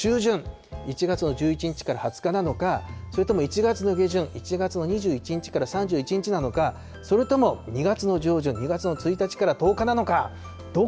１月の中旬、１月の１１日から２０日なのか、それとも１月の下旬、１月の２１日から３１日なのか、それとも２月の上旬、２月の１日から１０日なのか。